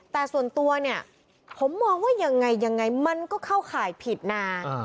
แต่ส่วนตัวเนี่ยผมมองว่ายังไงยังไงมันก็เข้าข่ายผิดนะ